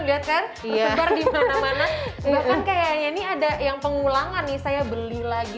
lihatkan iya bard met reads ngacheng kayaknya nih ada yang pengulangan nih saya beli lagi